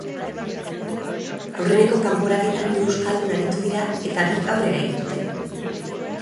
Aurreneko kanporaketan hiru euskaldun aritu dira eta bik aurrera egin dute.